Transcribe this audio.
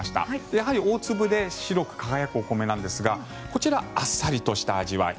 やはり大粒で白く輝くお米なんですがこちらあっさりとした味わい。